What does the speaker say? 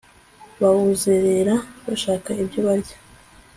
bawuzerera bashaka ibyo barya